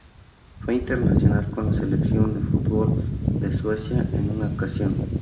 Fue internacional con la selección de fútbol de Suecia en una ocasión.